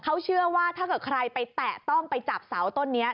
เขาเชื่อว่าถ้าเกิดใครไปแตะต้องไปจับเสาต้นนี้